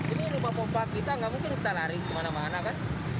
ini rumah pompa kita nggak mungkin kita lari kemana mana kan